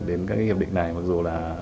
đến các hiệp định này mặc dù là